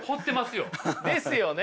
ですよね。